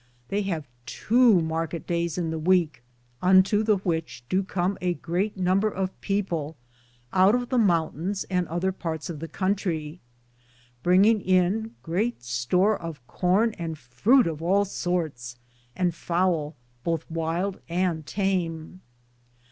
They have tow markeett dayes in the weeke, unto the which do com a great number of people out of the mountaines and other partes of the contrie, bringinge in great store of corne and frute of all sortes, and fowle, bothe wylde and tame.